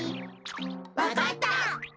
わかった！